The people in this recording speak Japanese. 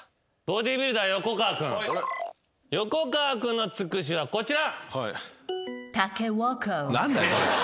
横川君の「つくし」はこちら。